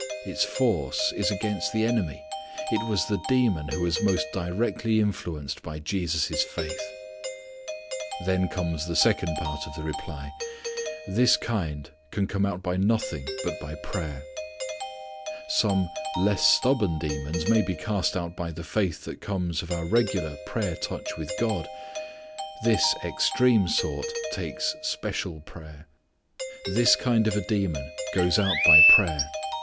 Its force is against the enemy. It was the demon who was most directly influenced by Jesus' faith. Then comes the second part of the reply: "This kind can come out by nothing but by prayer." Some less stubborn demons may be cast out by the faith that comes of our regular prayer touch with God. This extreme sort takes special prayer. This kind of a demon goes out by prayer.